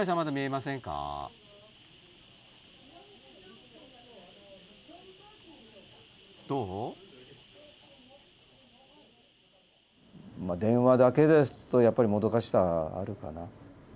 まあ電話だけですとやっぱりもどかしさはあるかな。